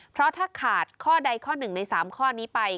เพราะถ้าขาดข้อใดข้อหนึ่งใน๓ข้อนี้ไป